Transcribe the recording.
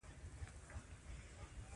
زموږ کورګی دی ووړ بوجل دی.